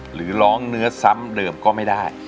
หรือร้องเนื้อซ้ำเดิมก็ไม่ได้